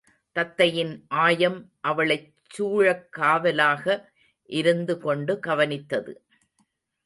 தத்தையின் ஆயம் அவளைச் சூழக் காவலாக இருந்து கொண்டு கவனித்தது.